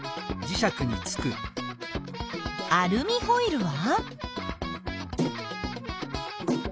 アルミホイルは？